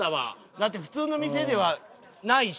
だって普通の店ではないし。